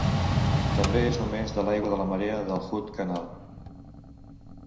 També és només de l'aigua de la marea del Hood Canal.